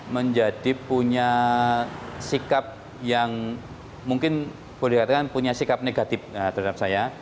menjadi punya sikap yang mungkin boleh dikatakan punya sikap negatif terhadap saya